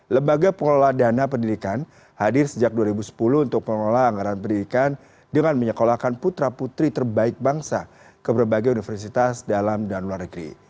lembaga pengelola dana pendidikan hadir sejak dua ribu sepuluh untuk mengelola anggaran pendidikan dengan menyekolahkan putra putri terbaik bangsa ke berbagai universitas dalam dan luar negeri